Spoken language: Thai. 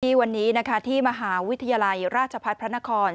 ที่วันนี้นะคะที่มหาวิทยาลัยราชพัฒน์พระนคร